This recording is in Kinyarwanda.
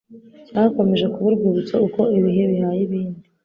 cyakomeje kuba urwibutso uko ibihe bihaye ibindi,